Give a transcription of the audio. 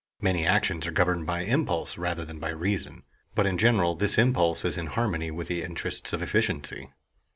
Many actions are governed by impulse rather than by reason; but in general this impulse is in harmony with the interests of efficiency.